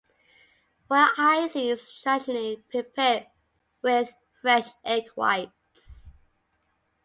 Royal icing is traditionally prepared with fresh egg whites.